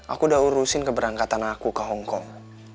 aku udah urusin keberangkatan aku ke hongkong